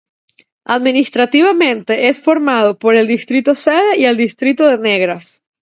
Administrativamente, es formado por el distrito sede y el distrito de Negras.